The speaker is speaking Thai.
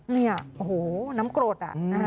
นี่โอ้โฮน้ำโกรธ